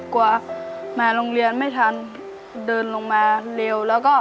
กลัวมาโรงเรียนไม่ทันเดินลงมาเร็วแล้วก็